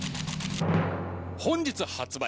本日発売